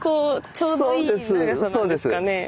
ちょうどいい長さなんですかね。